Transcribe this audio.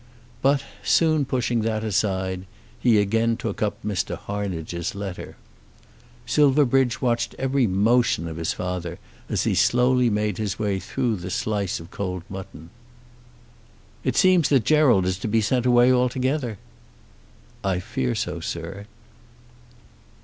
But, soon pushing that aside, he again took up Mr. Harnage's letter. Silverbridge watched every motion of his father as he slowly made his way through the slice of cold mutton. "It seems that Gerald is to be sent away altogether." "I fear so, sir."